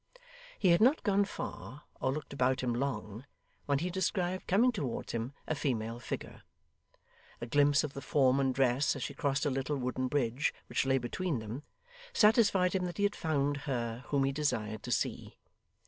He had not gone far, or looked about him long, when he descried coming towards him, a female figure. A glimpse of the form and dress as she crossed a little wooden bridge which lay between them, satisfied him that he had found her whom he desired to see.